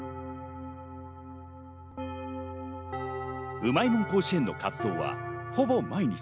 うまいもん甲子園の活動はほぼ毎日。